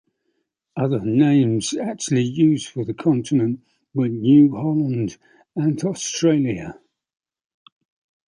Other names actually used for the continent were New Holland and Australia.